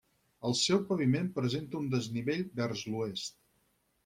El seu paviment presenta un desnivell vers l'oest.